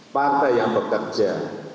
partai yang bekerja